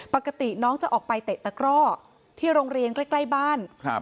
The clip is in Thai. ปกติน้องจะออกไปเตะตะกร่อที่โรงเรียนใกล้บ้าน